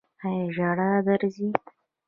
ایا ژړا درځي؟